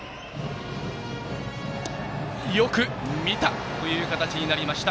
よく見たという形になりました。